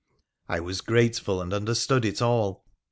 I was grateful, and understood it all.